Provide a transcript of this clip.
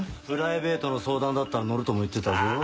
プライベートの相談だったら乗るとも言ってたぞ。